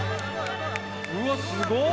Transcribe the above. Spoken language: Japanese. うわすごい！